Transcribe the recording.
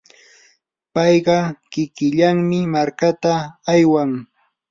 payqa kikillanmi markata aywan.